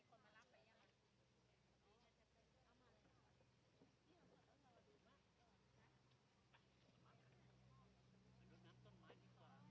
สวัสดีครับ